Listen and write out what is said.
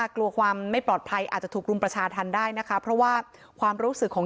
กลัวความไม่ปลอดภัยอาจจะถูกรุมประชาธรรมได้นะคะเพราะว่าความรู้สึกของ